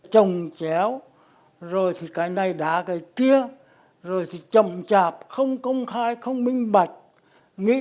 trồng chéo rồi thì cái này đã cái kia rồi thì trồng chạp không công khai không minh bạch nghĩ